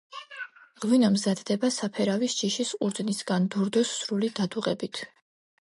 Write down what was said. ღვინო მზადდება საფერავის ჯიშის ყურძნისგან, დურდოს სრული დადუღებით.